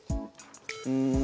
うん。